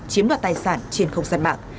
chiếm đoạt tài sản trên không gian mạng